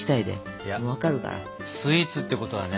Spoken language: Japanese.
いやスイーツってことはね